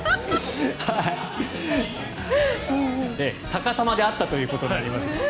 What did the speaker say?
さかさまであったということでありましたけど。